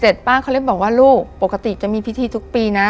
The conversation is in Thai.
ป้าเขาเลยบอกว่าลูกปกติจะมีพิธีทุกปีนะ